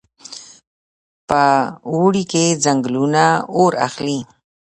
په اوړي کې ځنګلونه اور اخلي.